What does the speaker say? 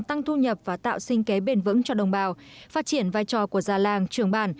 tăng thu nhập và tạo sinh kế bền vững cho đồng bào phát triển vai trò của gia làng trường bản